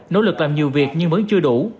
nỗ lực làm nhiều việc nhưng vẫn chưa đủ